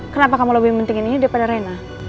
kenapa kamu lebih penting ini daripada rena